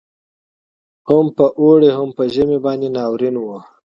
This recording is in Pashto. هم په اوړي هم په ژمي به ناورین وو